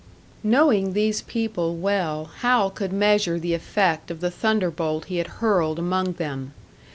Knowing these people well, Hal could measure the effect of the thunderbolt he had hurled among them.